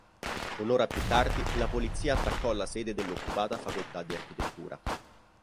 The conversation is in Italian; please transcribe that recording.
Un'ora più tardi la polizia attaccò la sede dell'occupata facoltà di architettura.